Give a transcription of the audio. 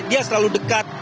dia selalu dekat